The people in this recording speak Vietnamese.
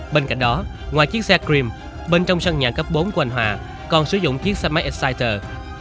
bên cạnh đó ngoài chiếc xe gream bên trong sân nhà cấp bốn của anh hòa còn sử dụng chiếc xe máy esciter